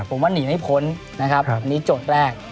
ผมว่าหนีไม่พ้นนะครับอันนี้โจทย์แรก